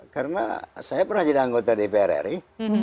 karena saya pernah jadi anggota dpr ri